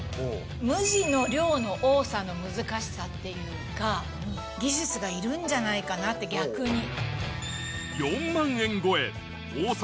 無地の量の多さの難しさっていうか技術がいるんじゃないかなって逆に。